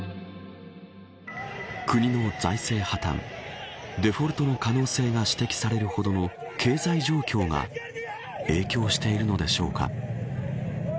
国の財政破綻＝デフォルトの可能性が指摘されるほどの経済状況が影響しているのでしょうか。